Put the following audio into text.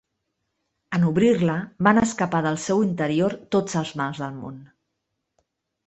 En obrir-la, van escapar del seu interior tots els mals del món.